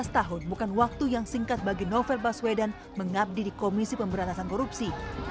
tujuh belas tahun bukan waktu yang singkat bagi novel baswedan mengabdi di komisi pemberantasan korupsi